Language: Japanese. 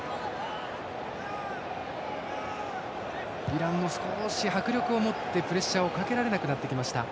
イランも少し迫力を持ってプレッシャーをかけられなくなってきました。